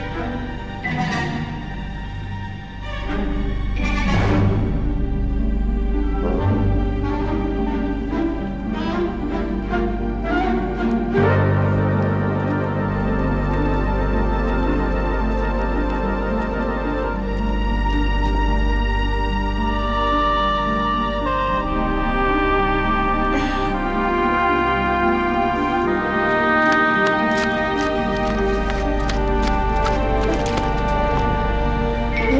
nah ini dia